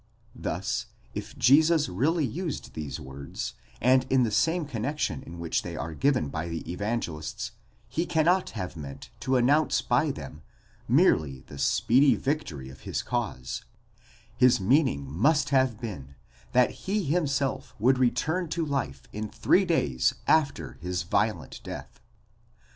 Thus if Jesus really used these words, and in the same connexion in which they are given by the Evangelists, he cannot have meant to announce by them merely the speedy victory of his cause ; his meaning must have been, that he himself would return to life in three days after his violent death.